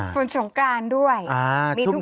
ฝนสงการด้วยมีทุกปี